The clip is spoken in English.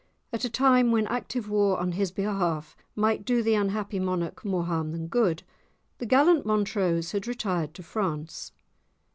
at a time when active war on his behalf might do the unhappy monarch more harm than good, the gallant Montrose had retired to France.